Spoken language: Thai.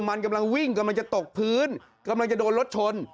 มันกำลังวิ่งกำลังจะตกพื้นกำลังจะโดนรถชน